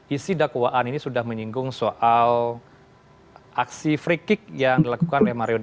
isi dakwaan ini sudah menyinggung soal aksi free kick yang dilakukan oleh mario dandi